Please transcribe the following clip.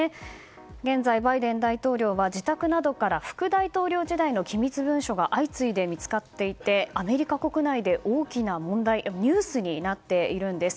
現在、バイデン大統領は自宅などから副大統領時代の機密文書が相次いで見つかっていてアメリカ国内で大きな問題ニュースになっているんです。